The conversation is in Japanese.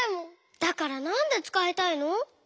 だからなんでつかいたいの？